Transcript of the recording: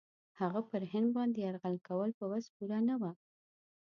هغه پر هند باندي یرغل کول په وس پوره نه وه.